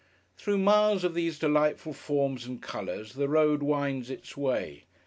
Through miles of these delightful forms and colours, the road winds its way.